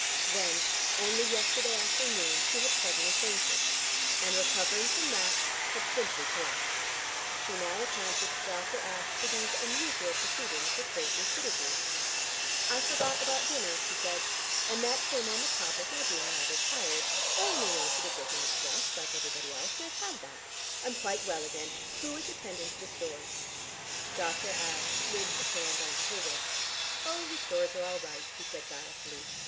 Then, only yesterday afternoon, she had suddenly fainted, and recovering from that had simply collapsed. She now accounted to Dr. Ashe for these unusual proceedings with great lucidity. "I forgot about dinner," she said, "and that came on the top of my being rather tired. I only wanted a good night's rest, like everybody else, and I've had that. I'm quite well again. Who is attending to the stores?" Dr. Ashe slid his hand on to her wrist. "Oh, the stores are all right," he said guilefully.